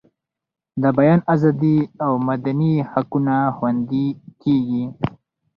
د بیان ازادي او مدني حقونه خوندي کیږي.